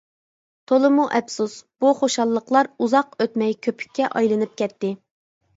تولىمۇ ئەپسۇس، بۇ خۇشاللىقلار ئۇزاق ئۆتمەي كۆپۈككە ئايلىنىپ كەتتى.